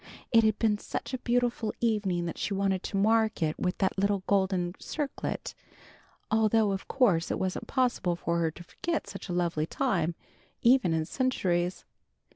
It had been such a beautiful evening that she wanted to mark it with that little golden circlet, although of course it wasn't possible for her to forget such a lovely time, even in centuries.